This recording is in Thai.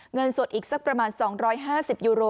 เงินสดอีกสักประมาณ๒๕๐ยูโร